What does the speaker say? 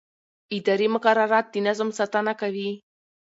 اداري مقررات د نظم ساتنه کوي.